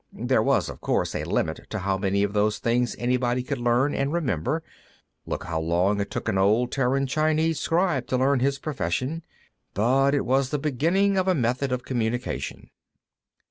There was, of course, a limit to how many of those things anybody could learn and remember look how long it took an Old Terran Chinese scribe to learn his profession but it was the beginning of a method of communication.